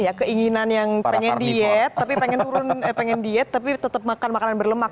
ya keinginan yang pengen diet tapi pengen turun pengen diet tapi tetap makan makanan berlemak